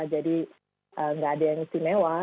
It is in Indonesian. jadi nggak ada yang istimewa